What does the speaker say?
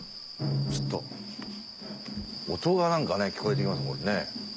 ちょっと音が何か聞こえて来ますもんね。